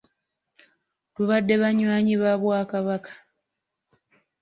Tubadde banywanyi ba Bwakabaka.